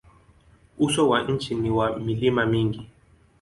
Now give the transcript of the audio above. Uso wa nchi ni wa milima mingi.